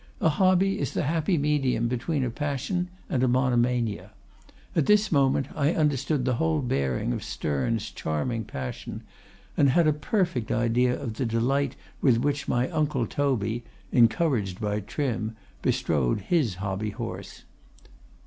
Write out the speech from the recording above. A hobby is the happy medium between a passion and a monomania. At this moment I understood the whole bearing of Sterne's charming passion, and had a perfect idea of the delight with which my uncle Toby, encouraged by Trim, bestrode his hobby horse.